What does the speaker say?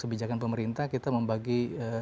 kebijakan pemerintah kita membagi